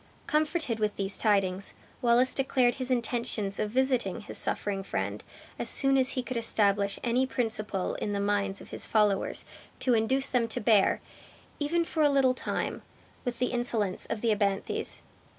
Comforted with these tidings, Wallace declared his intentions of visiting his suffering friend as soon as he could establish any principle in the minds of his followers to induce them to bear, even for a little time, with the insolence of the abthanes.